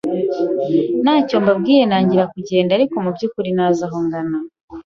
ntacyo mbabwiye ntangira kugenda ariko mu byukuri ntazi aho ngana,